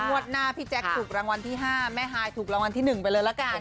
งวดหน้าพี่แจ๊คถูกรางวัลที่๕แม่ฮายถูกรางวัลที่๑ไปเลยละกัน